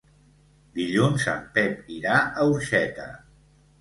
Dilluns en Pep irà a Orxeta.